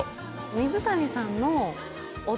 水谷さんの。